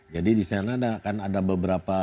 jadi di sana akan ada beberapa